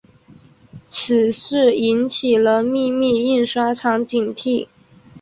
此事引起了秘密印刷厂警惕。